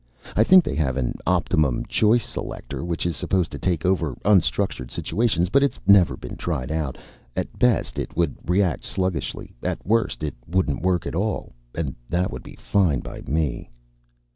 I think they have an optimum choice selector which is supposed to take over unstructured situations; but it's never been tried out. At best, it would react sluggishly. At worst, it wouldn't work at all. And that would be fine by me."